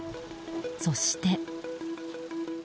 そして。